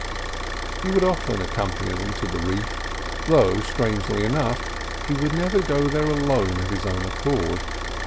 He would often accompany them to the reef, though, strangely enough, he would never go there alone of his own accord.